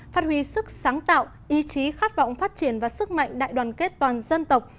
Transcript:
phát huy sức sáng tạo ý chí khát vọng phát triển và sức mạnh đại đoàn kết toàn dân tộc